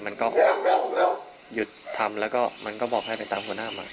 มันก็หยุดทำแล้วก็มันก็บอกให้ไปตามหัวหน้ามัน